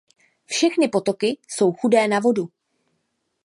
Všechny potoky jsou chudé na vodu.